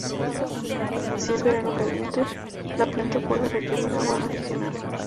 Si es verano caliente, la planta puede requerir agua adicional.